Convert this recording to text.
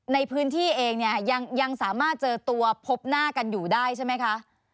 ในพื้นที่เองเนี่ยยังสามารถเจอตัวพบหน้ากันอยู่ได้ใช่ไหมคะ